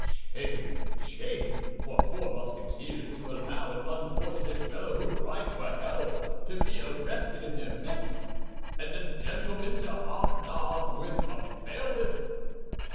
"Shame, shame, for four Musketeers to allow an unfortunate fellow who cried for help to be arrested in their midst! And a gentleman to hobnob with a bailiff!"